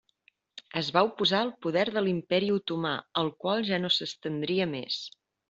Es va oposar al poder de l'Imperi otomà, el qual ja no s'estendria més.